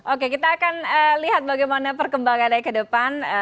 oke kita akan lihat bagaimana perkembangan dari ke depan